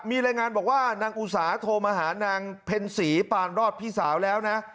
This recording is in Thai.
มีรายงานบอกว่านางอุสาโทรมาหานางเพ็ญศรีปานรอดพี่สาวแล้วนะ